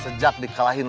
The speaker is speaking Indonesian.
sejak di kalahin